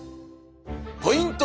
ポイント